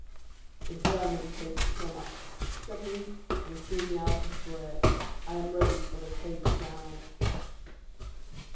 The German taste came up," said he, " and threw me out of bread. I am ready for the taste now."